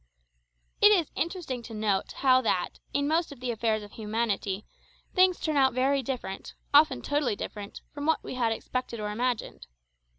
It is interesting to note how that, in most of the affairs of humanity, things turn out very different, often totally different, from what we had expected or imagined.